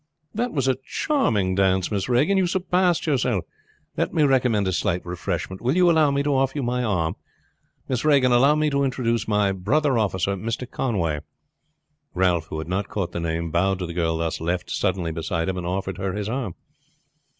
"That was a charming dance, Miss Regan. You surpassed yourself. Let me recommend a slight refreshment; will you allow me to offer you my arm? Miss Regan, allow me to introduce my brother officer, Mr. Conway." Ralph, who had not caught the name, bowed to the girl thus left suddenly beside him and offered her his arm.